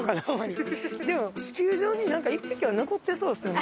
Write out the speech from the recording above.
でも地球上になんか１匹は残ってそうですよねまだ。